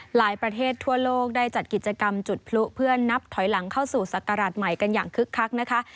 ประเทศทั่วโลกได้จัดกิจกรรมจุดพลุเพื่อนับถอยหลังเข้าสู่ศักราชใหม่กันอย่างคึกคักนะคะ